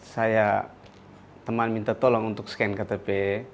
saya teman minta tolong untuk scan ktp